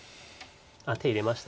あっ手入れました。